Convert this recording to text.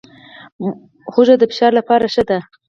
هوږه د فشار لپاره ښه ده